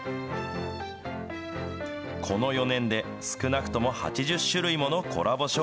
この４年で、少なくとも８０種類ものコラボ